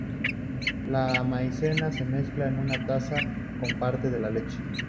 La maicena se mezcla en una taza con parte de la leche.